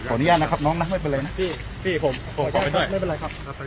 ขออนุญาตนะครับน้องนะไม่เป็นไรนะพี่พี่ผมผมขอ